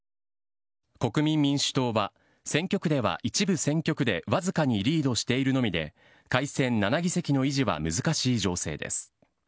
国民民主党は、選挙区では一部選挙区で僅かにリードしているのみで、改選７議席の維持は難しい情勢です。